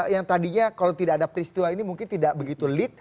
yang tadinya kalau tidak ada peristiwa ini mungkin tidak begitu lead